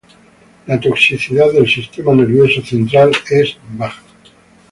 La toxicidad del sistema nervioso central es baja.